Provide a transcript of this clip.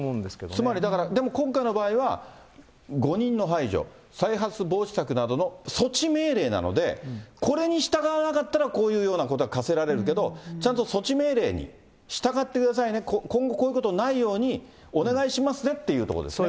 つまりだから、でも今回の場合は、誤認の排除、再発防止策などの措置命令なので、これに従わなかったらこういうようなことが科せられるけど、ちゃんと措置命令に従ってくださいね、今後、こういうことのないようにお願いしますねってことですね。